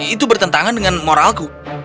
itu bertentangan dengan moralku